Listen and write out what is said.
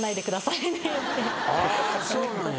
そうなんや。